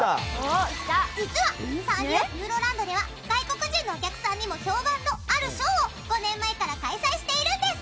実はサンリオピューロランドでは外国人のお客さんにも評判のあるショーを５年前から開催しているんです。